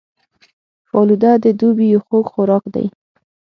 فالوده د دوبي یو خوږ خوراک دی